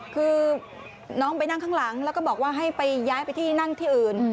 คือน้องไปนั่งข้างหลังแล้วก็บอกว่าให้ไปย้ายไปที่นั่งที่อื่น